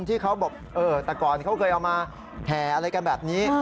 ที่เขาบอกแต่ก่อนเขาเคยเอามาแห่อะไรกันแบบนี้